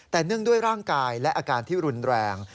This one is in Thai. แต่เนื่องด้วยร่างกายและอาการที่รุนแรง